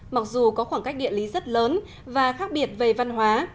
mặc dù có khoảng cách địa lý rất lớn và khác biệt về văn hóa